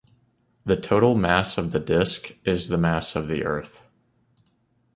The total mass of the disk is the mass of the Earth.